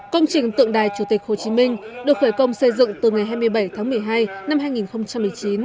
công trình tượng đài chủ tịch hồ chí minh được khởi công xây dựng từ ngày hai mươi bảy tháng một mươi hai năm hai nghìn một mươi chín